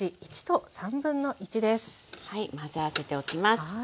混ぜ合わせておきます。